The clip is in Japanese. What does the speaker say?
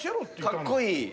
かっこいい。